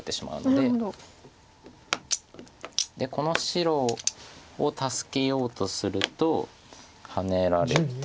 でこの白を助けようとするとハネられて。